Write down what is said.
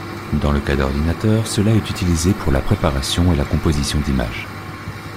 Dans le cas d'ordinateurs cela est utilisé pour la préparation et la composition d'image.